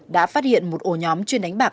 đã phát hiện một ổ nhóm chuyên đánh bạc